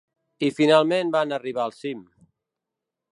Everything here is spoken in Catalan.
I finalment van arribar al cim.